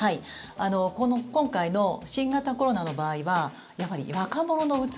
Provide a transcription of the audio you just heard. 今回の新型コロナの場合はやっぱり、若者のうつ